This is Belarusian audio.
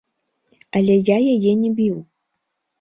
Але я яе не біў.